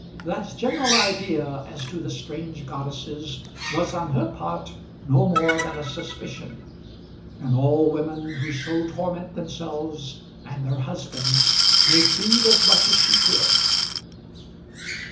That general idea as to the strange goddesses was on her part no more than a suspicion: and all women who so torment themselves and their husbands may plead as much as she could.